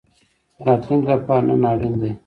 د راتلونکي لپاره نن اړین ده